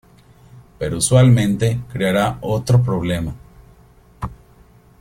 Pero usualmente creará otro problema.